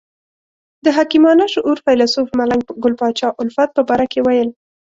د حکیمانه شعور فیلسوف ملنګ ګل پاچا الفت په باره کې ویل.